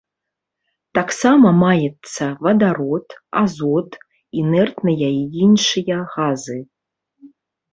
Таксама маецца вадарод, азот, інертныя і іншыя газы.